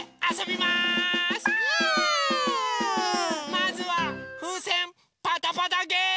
まずはふうせんパタパタゲーム！